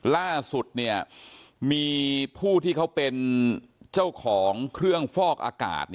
ล่าสุดมีผู้ที่เขาเป็นเจ้าของเครื่องฟอกอากาศ